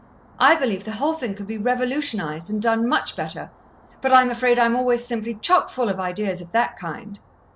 "I believe the whole thing could be revolutionized and done much better but I'm afraid I'm always simply chockfull of ideas of that kind."